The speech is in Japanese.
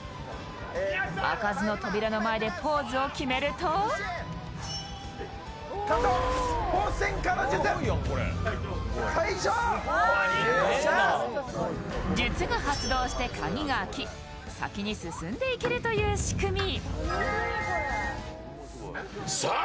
開かずの扉の前で、ポーズを決めると術が発動して鍵が開き、先に進んでいけるという仕組み。